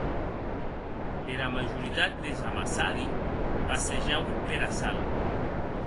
Era majoritat des amassadi passejauen pera sala.